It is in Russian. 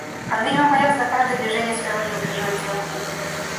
Он видимо боялся за каждое движение своего неуклюжего тела.